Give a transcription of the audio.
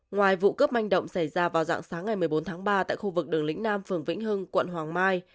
ngoài vụ cướp manh động xảy ra vào dạng sáng ngày một mươi bốn tháng ba tại khu vực đường lĩnh nam phường vĩnh hưng quận hoàng mai